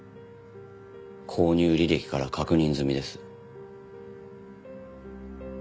購入履歴から確認済みです。